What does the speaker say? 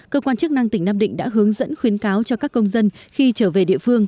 cơ quan chức năng tỉnh nam định đã hướng dẫn khuyến cáo cho các công dân khi trở về địa phương